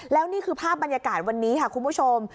แล้วนี่คือภาพบรรยากาศวันนี้ค่ะคุณผู้ชม